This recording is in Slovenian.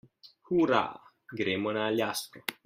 Hura, gremo na Aljasko!